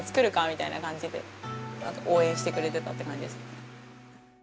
みたいな感じで応援してくれてたって感じです。